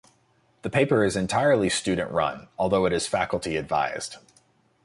The paper is entirely student-run, although it is faculty-advised.